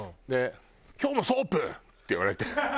「今日もソープ？」って言われて。